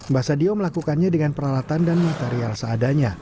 mbah sadio melakukannya dengan peralatan dan material seadanya